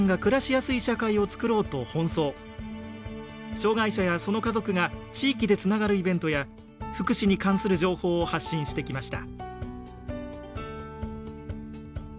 障害者やその家族が地域でつながるイベントや福祉に関する情報を発信してきました。